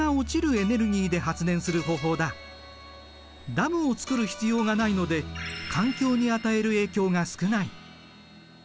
ダムを造る必要がないので環境に与える影響が少ない。